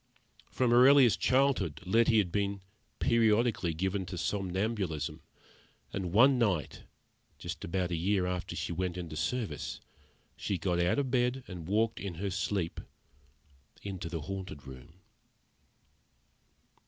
From her earliest childhood Letty had been periodically given to somnambulism, and one night, just about a year after she went into service, she got out of bed, and walked, in her sleep, into the Haunted Room.